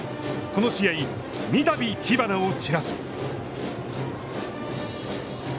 この試合、三度火花を散らす。